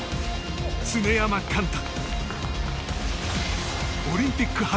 常山幹太。